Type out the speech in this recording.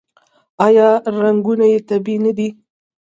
آیا رنګونه یې طبیعي نه دي؟